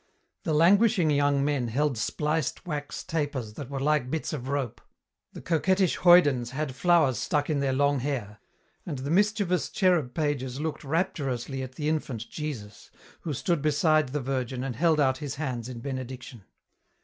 The languishing young men held spliced wax tapers that were like bits of rope; the coquettish hoydens had flowers stuck in their long hair; and the mischievous cherub pages looked rapturously at the infant Jesus, who stood beside the Virgin and held out his hands in benediction.